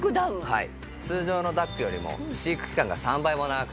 はい。